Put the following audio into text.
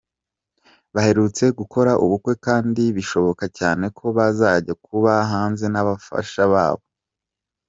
baherutse gukora ubukwe kandi bishoboka cyane ko bazajya kuba hanze n'abafasha babo.